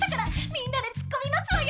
みんなでツッコみますわよ！